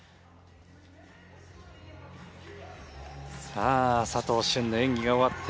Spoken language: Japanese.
さあ佐藤駿の演技が終わって